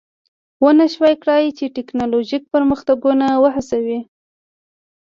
ونشوای کړای چې ټکنالوژیک پرمختګونه وهڅوي